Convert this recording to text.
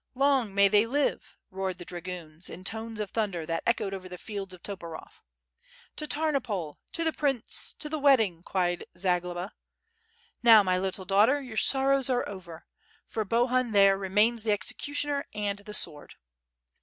"Long may they live!" roared the dragoons^ in tones of thunder that echoed over the fields of Toporov. ... "To Tamopol! to the prince! to the wedding!" cried Za globa. "Now my little daughter, your sorrows are over! ... for Bohun there remains the executioner and the sword."